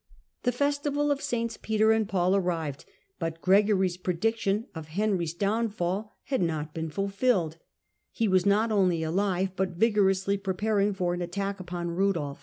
The festival of SS. Peter and Paul arrived, butv Gregory's prediction of Henry's downfall had not been fulfilled, ^^©w^ not only alive, but vigorously preparing for anattack upon Rudolf.